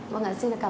vâng ạ xin cảm ơn